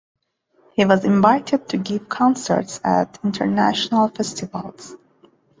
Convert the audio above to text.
He was invited to give concerts at international festivals.